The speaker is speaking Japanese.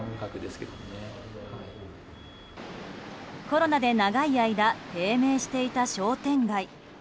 コロナで長い間低迷していた商店街。